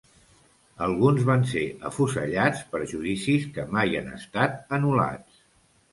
Alguns van ser afusellats per judicis que mai han estat anul·lats.